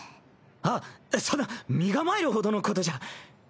あっそんな身構えるほどのことじゃ。